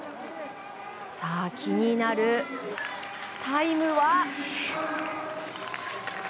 さあ、気になるタイムは。